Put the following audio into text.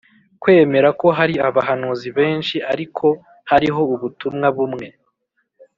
kwemera ko hari abahanuzi benshi ariko ko hariho ubutumwa bumwe